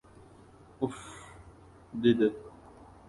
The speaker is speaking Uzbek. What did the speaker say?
— Uf-f, - dedi.